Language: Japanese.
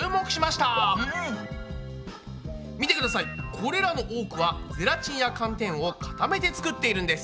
これらの多くはゼラチンや寒天を固めて作っているんです。